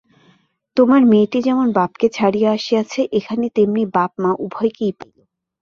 তোমার মেয়েটি যেমন বাপকে ছাড়িয়া আসিয়াছে, এখানে তেমনি বাপ মা উভয়কেই পাইল।